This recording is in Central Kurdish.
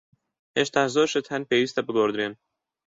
هێشتا زۆر شت هەن پێویستە بگۆڕدرێن.